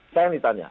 saya yang ditanya